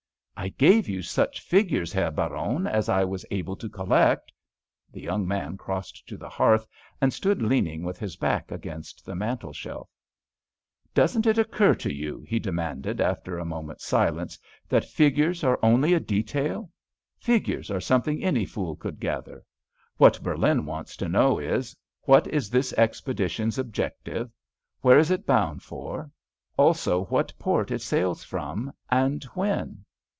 "I gave you such figures, Herr Baron, as I was able to collect." The young man crossed to the hearth and stood leaning with his back against the mantelshelf. "Doesn't it occur to you," he demanded, after a moment's silence, "that figures are only a detail? Figures are something any fool could gather. What Berlin wants to know is, what is this expedition's objective, where is it bound for, also what port it sails from, and when?"